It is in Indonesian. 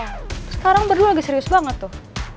sekarang berdua lagi serius banget tuh